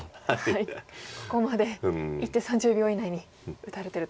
ここまで１手３０秒以内に打たれてるということで。